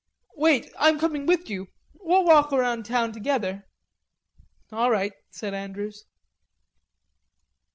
"Wait. I'm coming with you.... We'll walk around town together." "All right," said Andrews.